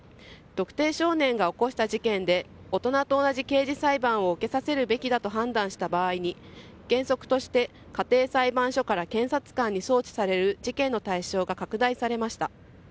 特定少年が起こした事件で大人と同じ刑事裁判を受けさせるべきだと判断した場合に原則として家庭裁判所から検察官に送致される事件の対象が拡大されました。